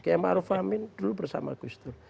km aruf amin dulu bersama kustur